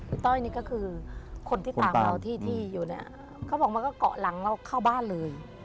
ต้อยนี่ก็คือคนที่ตามเราที่ที่อยู่เนี่ยเขาบอกมันก็เกาะหลังเราเข้าบ้านเลย